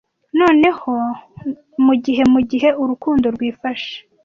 Noneho, mugihe mugihe urukundo rwifashe